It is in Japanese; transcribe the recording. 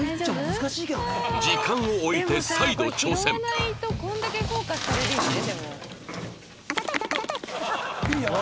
時間をおいて再度挑戦でもさ